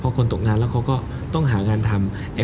คนตกงานแล้วเขาก็ต้องหางานทำ